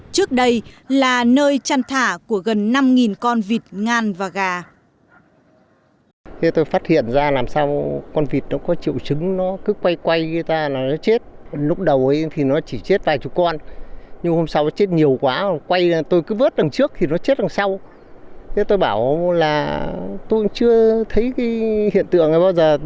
trước đây là nơi trăn thả của gần năm con vịt ngan và gà